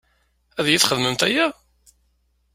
Ad iyi-txedmemt aya?